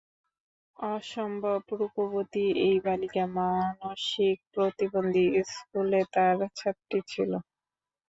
অসম্ভব রূপবতী এই বালিকা মানসিক প্রতিবন্ধী স্কুলে তাঁর ছাত্রী ছিল।